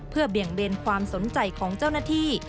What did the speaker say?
เพื่อเปลี่ยงเบียนความสนใจของเจ้านัฐี